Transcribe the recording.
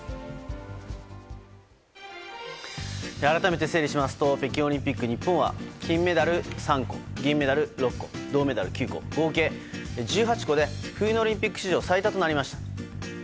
改めて整理しますと北京オリンピック日本は金メダル３個銀メダル６個銅メダル９個、合計１８個で冬のオリンピック史上最多となりました。